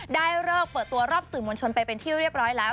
ได้เลิกเปิดตัวรอบสื่อมวลชนไปเป็นที่เรียบร้อยแล้ว